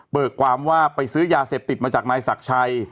ความว่าไปซื้อยาเสพติดมาจากนายศักดิ์ชัย